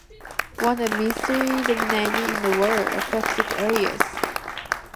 Want and misery dominated in the war-affected areas.